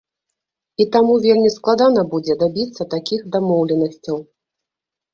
І таму вельмі складана будзе дабіцца такіх дамоўленасцяў.